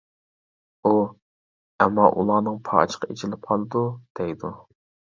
ئۇ «ئەمما ئۇلارنىڭ پاچىقى ئېچىلىپ قالىدۇ. » دەيدۇ.